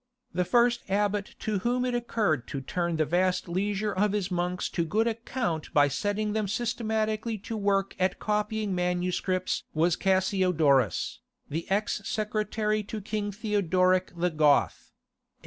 The first abbot to whom it occurred to turn the vast leisure of his monks to good account by setting them systematically to work at copying manuscripts was Cassiodorus, the ex secretary to King Theodoric the Goth [A.